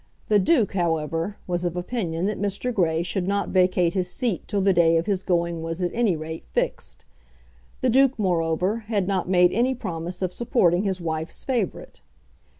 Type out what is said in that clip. The Duke, however, was of opinion that Mr. Grey should not vacate his seat till the day of his going was at any rate fixed. The Duke, moreover, had not made any promise of supporting his wife's favourite.